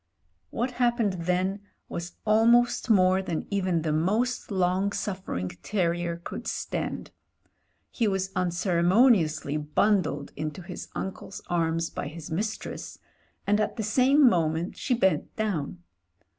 What happened then was almost more than even the most long suffering terrier could stand. He was unceremoniously bundled into his uncle's arms by his mistress, and at the same moment she bent down.